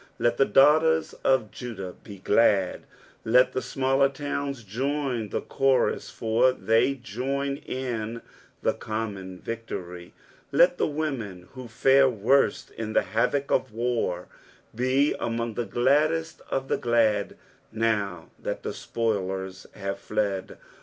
Let th« daughteft tf Jvidnik Ae glait '' let the smaller towns joiD the chorus, ^r the j join in the com mon victory. Let the women, who fare worst in the havoc of war, be unong the gladdest of the glad, now that the spoilers have fled.